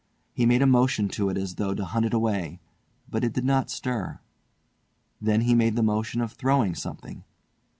He made a motion to it as though to hunt it away, but it did not stir. Then he made the motion of throwing something.